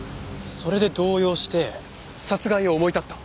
それで動揺して殺害を思い立った。